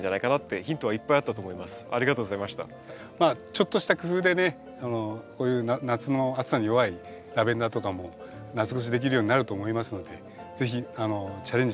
ちょっとした工夫でねこういう夏の暑さに弱いラベンダーとかも夏越しできるようになると思いますので是非チャレンジして頂きたいと思います。